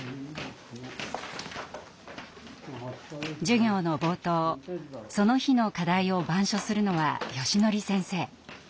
授業の冒頭その日の課題を板書するのはよしのり先生。